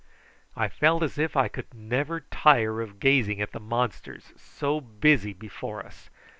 I felt as if I could never tire of gazing at the monsters so busy before us.